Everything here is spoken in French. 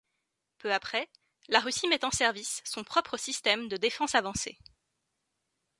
Peu après, la Russie met en service son propre système de défense avancé.